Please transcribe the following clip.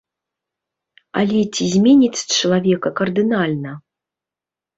Але ці зменяць чалавека кардынальна?